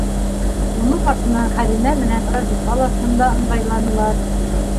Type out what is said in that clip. Уның артынан Хәлимә менән Разифа ла шунда ыңғайланылар.